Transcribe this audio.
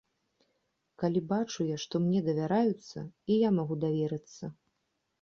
Калі бачу я, што мне давяраюцца, і я магу даверыцца.